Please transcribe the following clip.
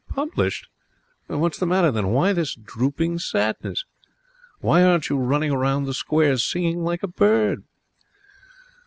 'Published! What's the matter, then? Why this drooping sadness? Why aren't you running around the square, singing like a bird?'